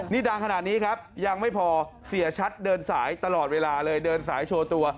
นี่ดังขนาดนี้ครับยังไม่พอเสียชัดเดินสายตลอดเวลาเลยเดินสายโชว์ตัว